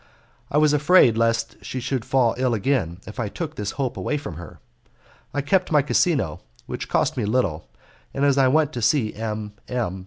I was afraid lest she should fall ill again, if I took this hope away from her. I kept my casino, which cost me little, and as I went to see M. M.